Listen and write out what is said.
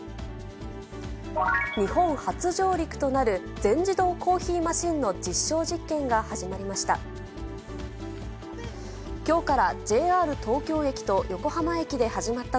日本初上陸となる全自動コーヒーマシンの実証実験が始まりました。